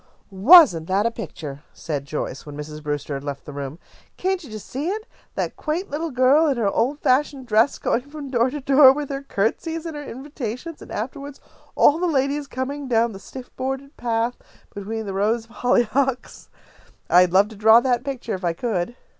"Wasn't that a picture?" said Joyce, when Mrs. Brewster had left the room. "Can't you just see it? that quaint little girl in her old fashioned dress, going from door to door with her courtesies and her invitations, and, afterward, all the ladies coming down the stiff bordered path between the rows of hollyhocks. I'd love to draw that picture if I could."